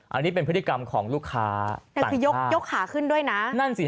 อันนี้เป็นพฤติกรรมของลูกค้าต่างนั่นคือยกขาขึ้นด้วยนะ